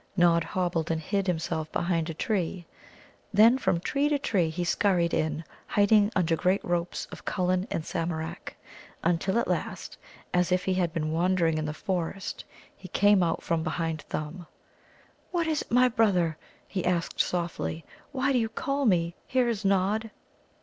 Nod hobbled and hid himself behind a tree. Then from tree to tree he scurried in, hiding under great ropes of Cullum and Samarak, until at last, as if he had been wandering in the forest, he came out from behind Thumb. "What is it, my brother?" he asked softly. "Why do you call me? Here is Nod."